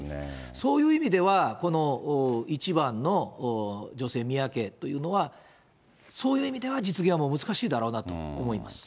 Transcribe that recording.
そういう意味では、この１番の女性宮家というのは、そういう意味では、実現はもう難しいだろうなと思います。